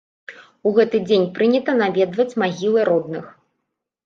У гэты дзень прынята наведваць магілы родных.